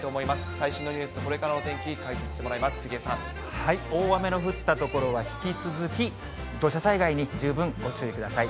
最新のニュースとこれからの天気、大雨の降った所は引き続き土砂災害に十分ご注意ください。